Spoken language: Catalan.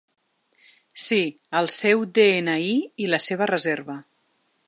Sí, el seu de-ena-i i la seva reserva.